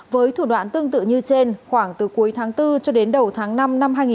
với thủ đoạn tương tự như trên khoảng từ cuối tháng bốn cho đến đầu tháng năm năm hai nghìn hai mươi